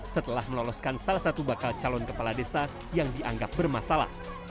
setelah meloloskan salah satu bakal calon kepala desa yang dianggap bermasalah